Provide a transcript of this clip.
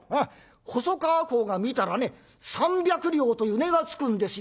細川侯が見たらね３００両という値がつくんですよ」。